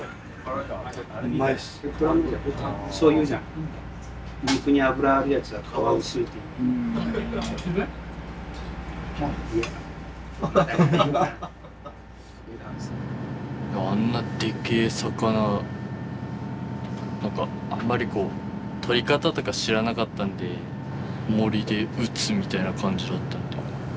あんなでっけえ魚何かあんまりこう獲り方とか知らなかったんで銛で撃つみたいな感じだったんで。